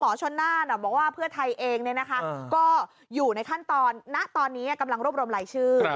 หมอชนหน้าบอกว่าเพื่อไทยเองเนี่ยนะคะก็อยู่ในขั้นตอนณตอนนี้กำลังรวบรมรายชื่อ